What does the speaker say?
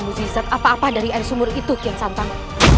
muzizat apa apa dari air sumur itu kian santana